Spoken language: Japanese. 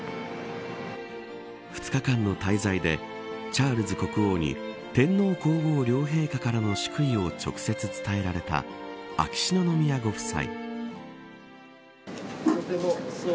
２日間の滞在でチャールズ国王に天皇皇后両陛下からの祝意を直接伝えられた秋篠宮ご夫妻。